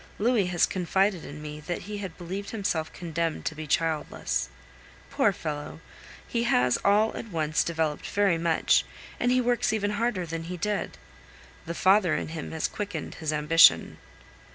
Louis has confided in me that he had believed himself condemned to be childless. Poor fellow! he has all at once developed very much, and he works even harder than he did. The father in him has quickened his ambition.